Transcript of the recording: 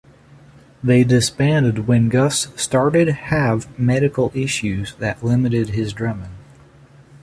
They disbanded when Gus started have medical issues that limited his drumming.